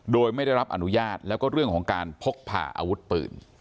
โดยไม่ได้รับอนุญาตแล้วก็เรื่องของการพกผ่าอาวุธปืน